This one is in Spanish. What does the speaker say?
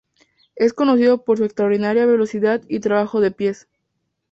Es conocido por su extraordinaria velocidad y trabajo de pies.